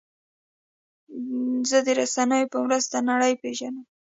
زه د رسنیو په مرسته نړۍ پېژنم.